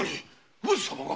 上様が！？